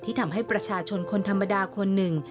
ทำให้ประชาชนคนธรรมดาคนหนึ่ง